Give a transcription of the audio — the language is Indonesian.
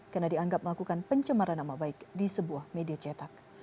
karena dianggap melakukan pencemaran nama baik di sebuah media cetak